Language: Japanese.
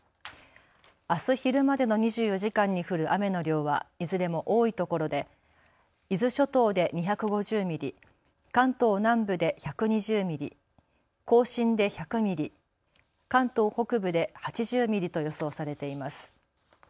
あす昼までの２４時間に降る雨の量はいずれも多いところで伊豆諸島で２５０ミリ、関東南部で１２０ミリ、甲信で１００ミリ、関東北部で８０ミリと予想されています。